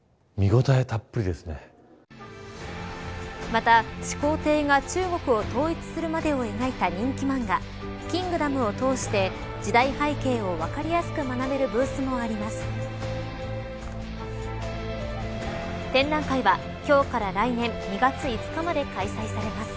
また、始皇帝が中国を統一するまでを描いた人気漫画、キングダムを通して時代背景を分かりやすく学べるブースもあります。